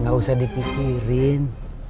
nggak usah dipikirin